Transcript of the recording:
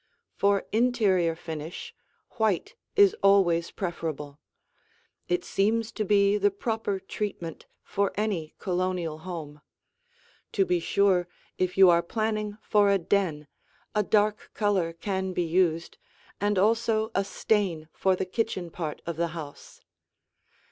For interior finish, white is always preferable. It seems to be the proper treatment for any Colonial home. To be sure, if you are planning for a den, a dark color can be used and also a stain for the kitchen part of the house.